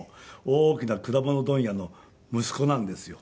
大きな果物問屋の息子なんですよ。